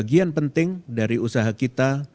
ini adalah hal yang paling penting dari usaha kita